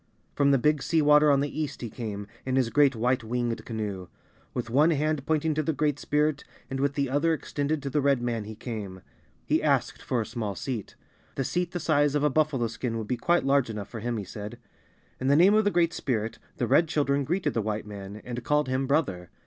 From the Big Sea Water on the east he came, in his great white winged canoe. With one hand pointing to the Great Spirit, and with the other extended to the Red man he came. He asked for a small seat. A seat the size of a buffalo skin would be quite large enough for him, he said. In the name of the Great Spirit, the Red Children greeted the White man, and called him "brother."